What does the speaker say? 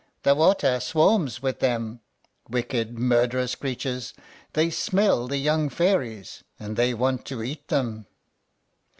"The water swarms with them, wicked, murderous creatures; they smell the young fairies, and they want to eat them."